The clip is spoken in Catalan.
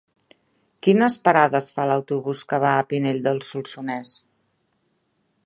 Quines parades fa l'autobús que va a Pinell de Solsonès?